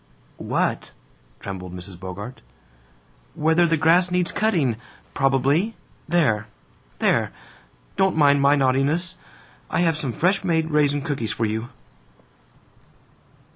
"What?" trembled Mrs. Bogart. "Whether the grass needs cutting, probably! There, there! Don't mind my naughtiness. I have some fresh made raisin cookies for you."